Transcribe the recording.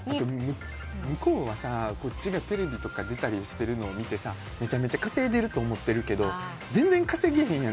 向こうは、こっちがテレビとか出たりしてるのを見てさめちゃめちゃ稼いでると思ってるけど全然稼げへんやん。